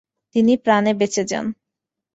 তিনি প্রাণে বেঁচে যান।